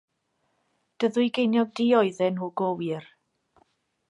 Dy ddwy geiniog di oedden nhw go wir.